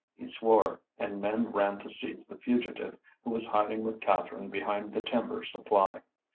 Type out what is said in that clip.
He swore, and men ran to seize the fugitive, who was hiding with Catherine behind the timber supply.